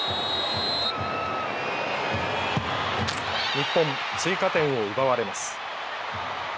日本、追加点を奪われます。